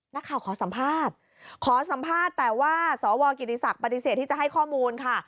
นักข่าวขอสัมภาษณ์ขอสัมภาษณ์แต่ว่าสวกิติศักดิ์ปฏิเสธที่จะให้ข้อมูลค่ะ